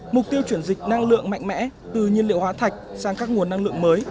mục tiêu chuyển dịch năng lượng mạnh mẽ từ nhiên liệu hóa thạch sang các nguồn năng lượng mới